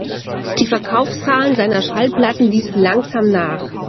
Die Verkaufszahlen seiner Schallplatten ließen langsam nach.